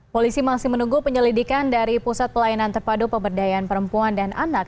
polisi masih menunggu penyelidikan dari pusat pelayanan terpadu pemberdayaan perempuan dan anak